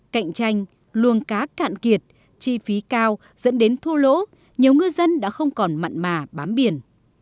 cạnh tranh luồng cá cạn kiệt chi phí cao dẫn đến thua lỗ nhiều ngư dân đã không còn mặn mà bám biển